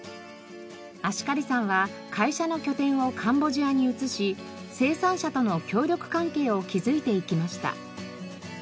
葦苅さんは会社の拠点をカンボジアに移し生産者との協力関係を築いていきました。